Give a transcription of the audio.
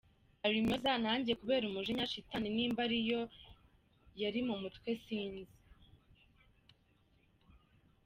Arimyoza, nanjye kubera umujinya shitani nimba ariyo yari mu mutwe sinzi.